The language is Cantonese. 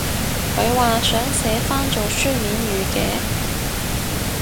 佢話想寫返做書面語嘅？